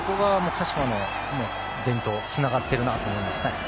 そこが鹿島の伝統つながってるなと思います。